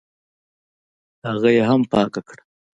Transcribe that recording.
هغه یې هم پاکه کړه.